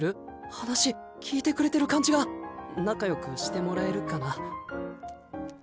話聞いてくれてる感じが仲よくしてもらえるかな？